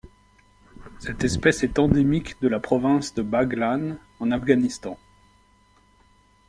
Cette espèce est endémique de la province de Baghlân en Afghanistan.